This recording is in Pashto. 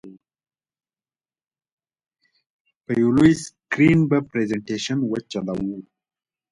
په یو لوی سکرین به یې پرزینټېشن وچلوو.